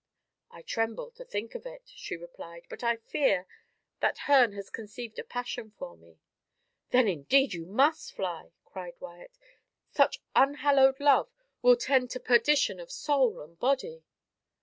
"I tremble to think of it," she replied; "but I fear that Herne has conceived a passion for me." "Then indeed you must fly," cried Wyat; "such unhallowed love will tend to perdition of soul and body."